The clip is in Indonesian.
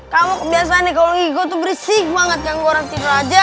kamu kebiasa nih kalau itu bersih banget yang orang tidur aja